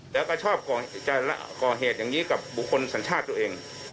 แล้วก็ชอบจะก่อเหตุอย่างนี้กับบุคคลสัญชาติตัวเอง